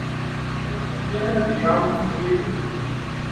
Uḥwaǧeɣ kan ad yi-iɛawen kra n yiwen.